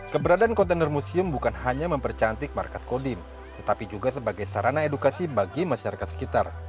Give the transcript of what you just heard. keberadaan kontainer museum bukan hanya mempercantik markas kodim tetapi juga sebagai sarana edukasi bagi masyarakat sekitar